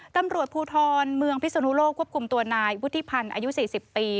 ตำรวจภูทรเมืองพิศนุโลกควบคุมตัวนายวุฒิพันธ์อายุ๔๐ปี